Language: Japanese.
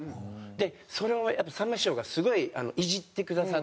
でそれをさんま師匠がすごいイジってくださって。